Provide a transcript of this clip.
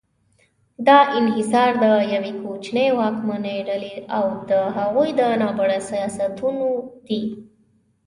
دا انحصار د یوې کوچنۍ واکمنې ډلې او د هغوی ناوړه سیاستونه دي.